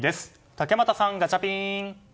竹俣さん、ガチャピン。